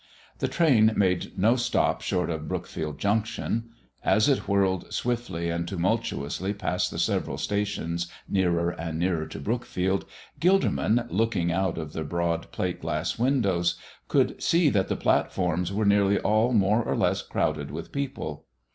The train made no stop short of Brookfield Junction. As it whirled swiftly and tumultuously past the several stations nearer and nearer to Brookfield, Gilderman, looking out of the broad plate glass windows, could see that the platforms were nearly all more or less crowded with people.